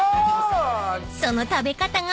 ［その食べ方が］